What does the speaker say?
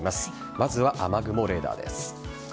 まずは雨雲レーダーです。